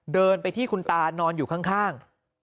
เดินไปที่คุณตานอนอยู่ข้าง